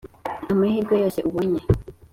amahirwe yose ubonye.